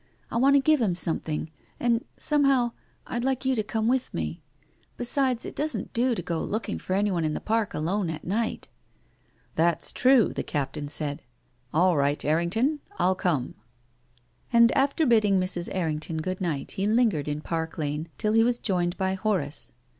I want to give him something. And — somehow — I'd like you to come with me. Besides, it doesn't do to go looking for anyone in the Park alone at night. ' THE LADY AND THE BEGGAR. 35/ " That's true," the Captain said. " All right, Errington ; I'll come." And, after bidding Mrs. Errington good night, he lingered in Park Lane till he was joined by Horace.